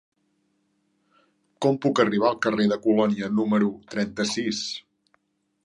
Com puc arribar al carrer de Colònia número trenta-sis?